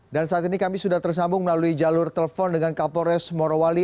dan saat ini kami sudah tersambung melalui jalur telepon dengan kapolres morowali